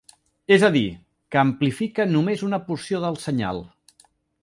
És a dir, que amplifica només una porció del senyal.